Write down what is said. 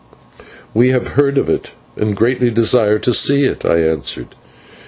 "We have heard of it and greatly desire to see it," I answered.